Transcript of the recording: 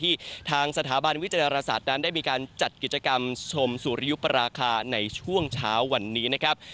ที่ทางสถาบันวิจารณศาสตร์นั้นได้มีการจัดกิจกรรมชมสุริยุปราคาในช่วงเช้าวันนี้นะครับ